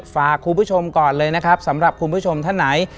ฝากคุณผู้ชมก่อนเลยสำหรับพวกคุณผู้ชมท่านไหน